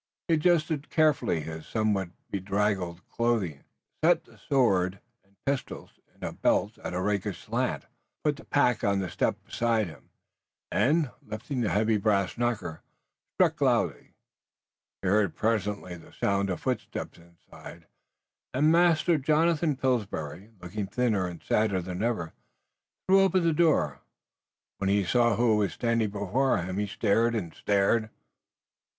He adjusted carefully his somewhat bedraggled clothing, set the sword and pistols in his belt at a rakish slant, put the pack on the step beside him, and, lifting the heavy brass knocker, struck loudly. He heard presently the sound of footsteps inside, and Master Jonathan Pillsbury, looking thinner and sadder than ever, threw open the door. When he saw who was standing before him he stared and stared.